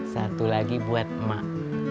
satu lagi buat emak